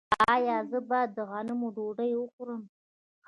ایا زه باید د غنمو ډوډۍ وخورم؟